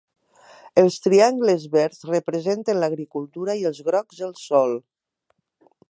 Els triangles verds representen l'agricultura i els grocs, el sol.